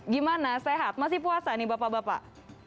gimana sehat masih puasa nih bapak bapak